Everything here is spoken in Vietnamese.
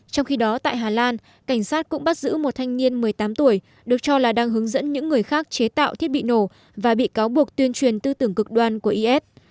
trong khi đó tại hà lan cảnh sát cũng bắt giữ một thanh niên một mươi tám tuổi được cho là đang hướng dẫn những người khác chế tạo thiết bị nổ và bị cáo buộc tuyên truyền tư tưởng cực đoan của is